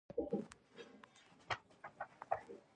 ایا بلغم مو وینه لري؟